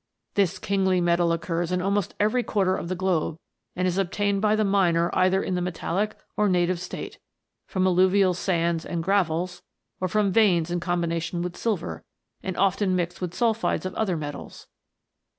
This kingly metal occurs in almost every quarter of the globe, and is obtained by the miner either in the metallic or native state, from alluvial sands and gravels, or from veins in combination with silver, and often mixed with sulphides of other metals.